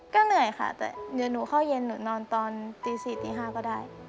ก็เหนื่อยค่ะแต่เดี๋ยวหนูเข้าเย็นหนูนอนตอนตี๔ตี๕ก็ได้